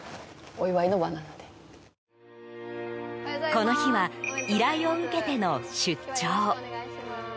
この日は依頼を受けての出張。